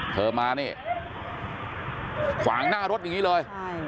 เธอมานี่ขวางหน้ารถอย่างนี้เลย